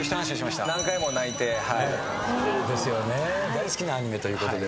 大好きなアニメということで。